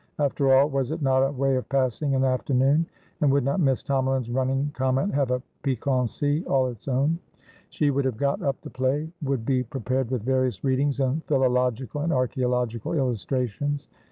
After all, was it not a way of passing an afternoon? And would not Miss Tomalin's running comment have a piquancy all its own? She would have "got up" the play, would be prepared with various readings, with philological and archaeological illustrations.